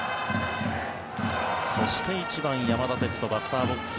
そして１番、山田哲人バッターボックス。